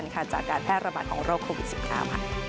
จากการพยายามแพทย์ระบาดของโรคโควิด๑๙ค่ะ